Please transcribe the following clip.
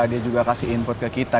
dia juga kasih input ke kita